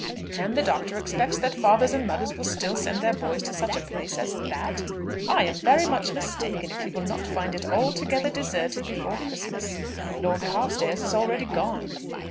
"And the Doctor expects that fathers and mothers will still send their boys to such a place as that? I am very much mistaken if he will not find it altogether deserted before Christmas. Lord Carstairs is already gone."